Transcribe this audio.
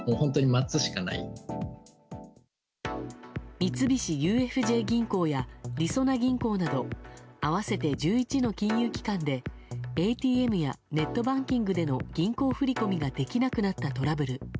三菱ＵＦＪ銀行やりそな銀行など合わせて１１の金融機関でＡＴＭやネットバンキングでの銀行振り込みができなくなったトラブル。